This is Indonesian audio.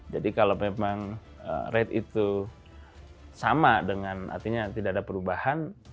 jadi kalau memang rate itu sama dengan artinya tidak ada perubahan